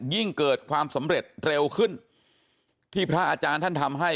ยิ่งเกิดความสำเร็จเร็วขึ้นที่พระอาจารย์ท่านทำให้